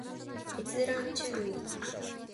閲覧注意